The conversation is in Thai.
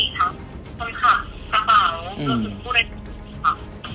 คนขับกระเป๋าก็คือผู้เรียนขึ้นขับ